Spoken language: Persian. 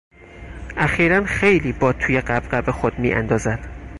اخیرا خیلی باد توی غبغب خود میاندازد.